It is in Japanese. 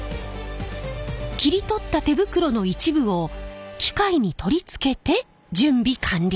切り取った手袋の一部を機械に取り付けて準備完了。